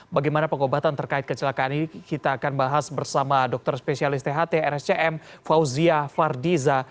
bagaimana pengobatan terkait kecelakaan ini kita akan bahas bersama dokter spesialis tht rscm fauzia fardiza